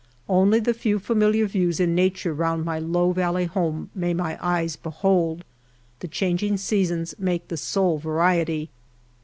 Only the few familiar views in nature round my low valley home may my eyes behold ; the changing sea sons make the sole variety.